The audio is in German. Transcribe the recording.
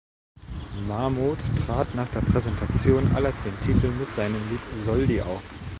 Mahmood trat nach der Präsentation aller zehn Titel mit seinem Lied "Soldi" auf.